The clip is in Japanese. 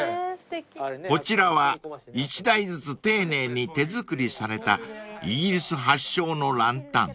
［こちらは一台ずつ丁寧に手作りされたイギリス発祥のランタン］